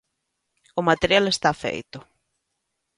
O material está feito.